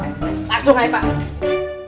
langsung aja pak